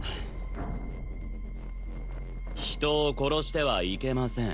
人を殺してはいけません